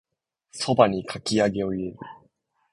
蕎麦にかき揚げを入れる